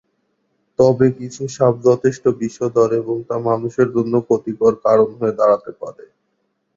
তবে কিছু সাপ যথেষ্ট বিষধর, এবং তা মানুষের জন্য ক্ষতির কারণ হয়ে দাঁড়াতে পারে।